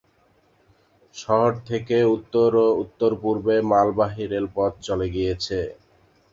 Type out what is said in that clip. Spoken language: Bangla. শহর থেকে উত্তর ও উত্তর-পূর্বে মালবাহী রেলপথ চলে গিয়েছে।